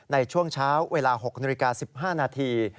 ในช่วงเช้าเวลา๖นาฬิกา๑๕นาที